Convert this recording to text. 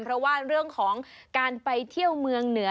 เพราะว่าเรื่องของการไปเที่ยวเมืองเหนือ